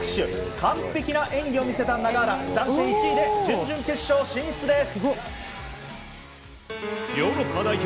完璧な演技を見せた永原暫定１位で準々決勝進出です。